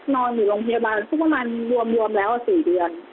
นอนอยู่โรงพยาบาลสักประมาณรวมแล้ว๔เดือน